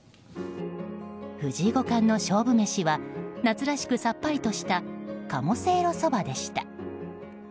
藤井五冠の勝負飯は夏らしくさっぱりとした鴨せいろそばでした。